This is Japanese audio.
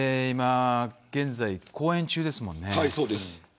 現在、公演中ですもんね。